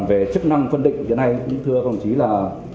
về chức năng phân định cái này cũng thưa công chí là